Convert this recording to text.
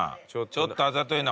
ちょっとあざといな。